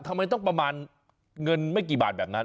ทำไมต้องประมาณเงินไม่กี่บาทแบบนั้น